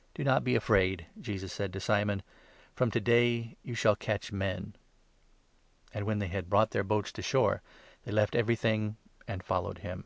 " Do not be afraid," Jesus said to Simon ;" from to day you shall catch men." And, when they had brought their boats to shore, they left n everything, and followed him.